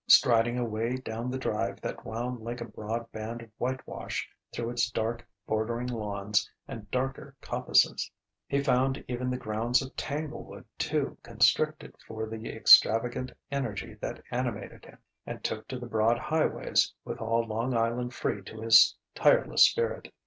Striding away down the drive that wound like a broad band of whitewash through its dark bordering lawns and darker coppices, he found even the grounds of Tanglewood too constricted for the extravagant energy that animated him; and took to the broad highways, with all Long Island free to his tireless spirit.